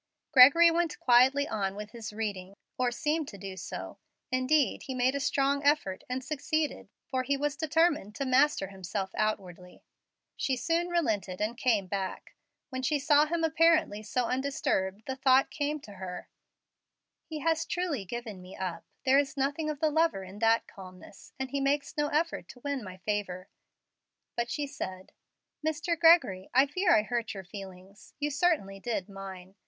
Gregory went quietly on with his reading, or seemed to do so. Indeed, he made a strong effort, and succeeded, for he was determined to master himself outwardly. She soon relented and came back. When she saw him apparently so undisturbed, the thought came to her, "He has truly given me up. There is nothing of the lover in that calmness, and he makes no effort to win my favor," but she said, "Mr. Gregory, I fear I hurt your feelings. You certainly did mine.